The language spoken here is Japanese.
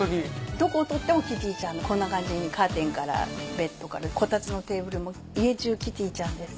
どこをとってもキティちゃんのこんな感じにカーテンからベッドからこたつのテーブルも家じゅうキティちゃんです。